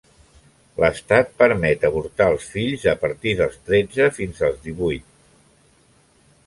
L'Estat permet avortar els fills a partir dels tretze fins als divuit.